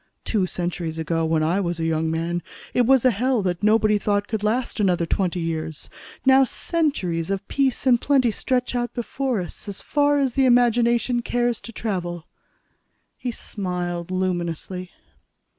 "Two centuries ago, when I was a young man, it was a hell that nobody thought could last another twenty years. Now centuries of peace and plenty stretch before us as far as the imagination cares to travel." He smiled luminously.